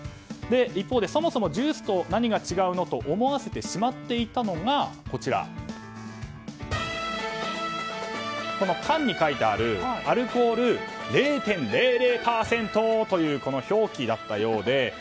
一方でそもそもジュースと何が違うのと思わせてしまっていたのがこの缶に書いてある「アルコール０．００％」というこの表記だったようで。